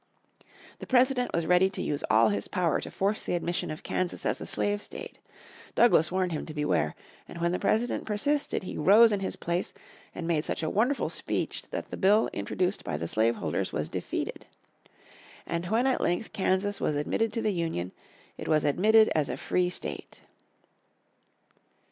The President was ready to use all his power to force the admission of Kansas as a slave state. Douglas warned him to beware, and when the President persisted, he rose in his place, and made such a wonderful speech that the bill introduced by the slave holders was defeated. And when at length Kansas was admitted to the Union in 1861, it was admitted as a free state.